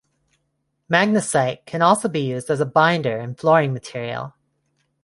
Magnesite can also be used as a binder in flooring material.